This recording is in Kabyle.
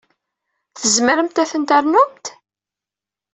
Tzemremt ad ten-ternumt.